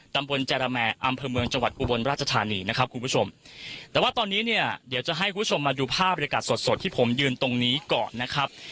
ตำบลจรแมอำเภอเมืองจังหวัดอุบลราชธานีนะครับคุณผู้ชมแต่ว่าตอนนี้เนี่ยเดี๋ยวจะให้คุณผู้ชมมาดูภาพบริการสดสดที่ผมยืนตรงนี้ก่อนนะครับ